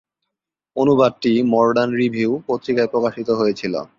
অনুবাদটি "Modern Review" পত্রিকায় প্রকাশিত হয়েছিল।